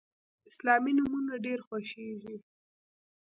اسلامي نومونه ډیر خوښیږي.